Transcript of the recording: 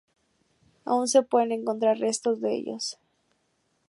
Aún se pueden encontrar restos de ellos.